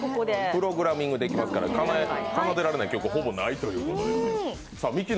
プログラミングできるから奏でられない曲がほぼ、ないということで。